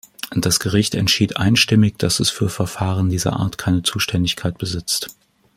Das Gericht entschied einstimmig, dass es für Verfahren dieser Art keine Zuständigkeit besitzt.